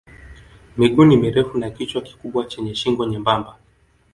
Miguu ni mirefu na kichwa kikubwa chenye shingo nyembamba.